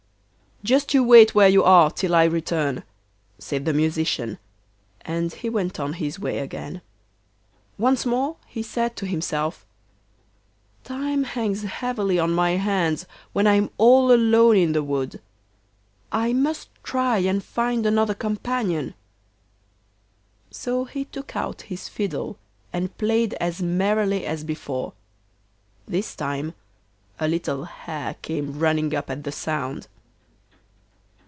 'Just you wait where you are till I return,' said the Musician, and he went on his way again. Once more he said to himself: 'Time hangs heavily on my hands when I'm all alone in the wood; I must try and find another companion.' So he took out his fiddle and played as merrily as before. This time a little hare came running up at the sound.